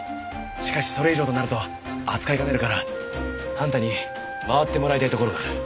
しかしそれ以上となると扱いかねるからあんたに回ってもらいたい所がある。